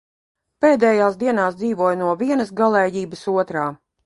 Pēdējās dienās dzīvoju no vienas galējības otrā.